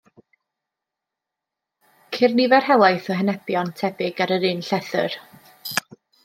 Ceir nifer helaeth o henebion tebyg ar yr un llethr.